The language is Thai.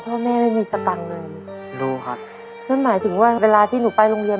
ไม่มีสตังค์เลยดูครับนั่นหมายถึงว่าเวลาที่หนูไปโรงเรียน